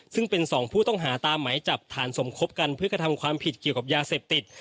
ซึ่งเป็นสองผู้ต้องหาตามหมายจับฐานสมคบกันเพื่อกระทำความผิดเกี่ยวกับยาเสพติด